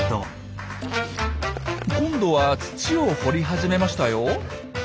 今度は土を掘り始めましたよ。